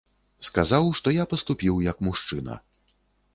Сказаў, што я паступіў, як мужчына.